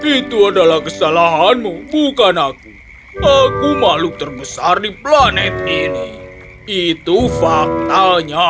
itu adalah kesalahanmu bukan aku aku makhluk terbesar di planet ini itu faktanya